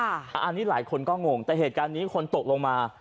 อันนี้หลายคนก็งงแต่เหตุการณ์นี้คนตกลงมา